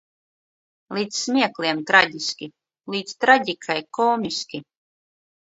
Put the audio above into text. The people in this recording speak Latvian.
Līdz smiekliem traģiski. Līdz traģikai komiski.